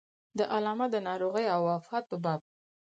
د علامه د ناروغۍ او وفات په باب.